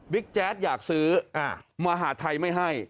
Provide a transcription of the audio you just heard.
วิทย์แจ็ตอยากซื้อมาหาไทยไม่ให้